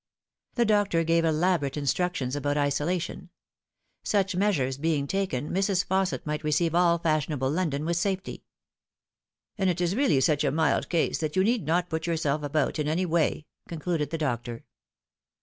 The doctor gave elaborate instructions about isolation. Such measures being taken, Mrs. Fausset might receive all fashionable London with safety. " And it is really such a mild case that you need not put yourself about in any way," concluded the doctor.